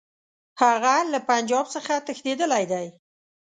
هغه له پنجاب څخه تښتېدلی دی.